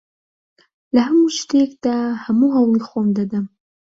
لە هەموو شتێکدا هەموو هەوڵی خۆم دەدەم.